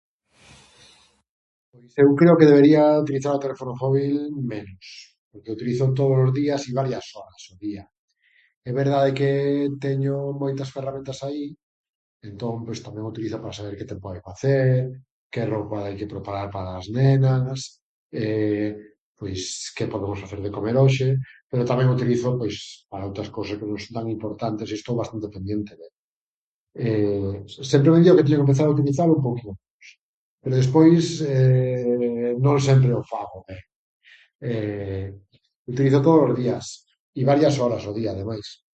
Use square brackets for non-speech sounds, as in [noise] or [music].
Eu creo que debería utilizar o teléfono móbil menos. Utilízoo tódolos días e varias horas o día. É verdade que teño moitas ferramenta aí, entón, pois tamén o utilizo para saber que tempo vai facer, que roupa hai que preparar para as nenas, [hesitation] pois que podemos facer de comer hoxe, pero tamén o utilizo, pois, para outras cousas que non son tan importantes. Estou bastante pendiente del. [hesitation] Sempre me digo que teño que empezar a utilizalo un pouquiño menos, pero despois [hesitation] non sempre o fago. [hesitation] Utilízoo todos os días i varias horas ao día ademais.